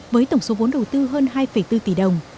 với tổng số vốn đầu tư hơn hai bốn tỷ đồng